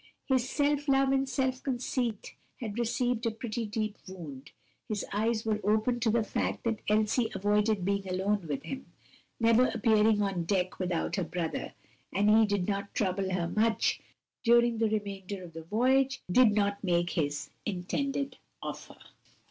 His self love and self conceit had received a pretty deep wound, his eyes were opened to the fact that Elsie avoided being alone with him, never appearing on deck without her brother, and he did not trouble her much during the remainder of the voyage, did not make his intended offer.